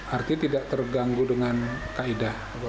artinya tidak terganggu dengan kaedah